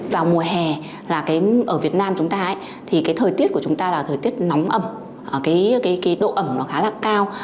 vào mùa hè ở việt nam chúng ta thời tiết của chúng ta là thời tiết nóng ẩm độ ẩm khá là cao